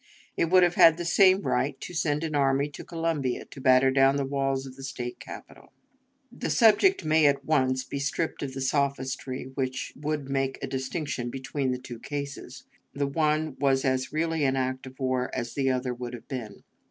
It would have had the same right to send an army to Columbia to batter down the walls of the State Capitol. The subject may at once be stripped of the sophistry which would make a distinction between the two cases. The one was as really an act of war as the other would have been.